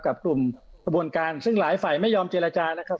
กับกลุ่มกระบวนการซึ่งหลายฝ่ายไม่ยอมเจรจาแล้วครับ